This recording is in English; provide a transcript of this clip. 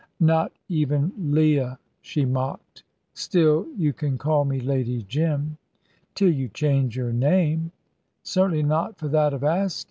"Not even Leah," she mocked. "Still, you can call me Lady Jim." "Till you change the name." "Certainly not for that of Askew.